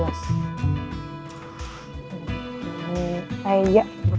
waktu gak mikir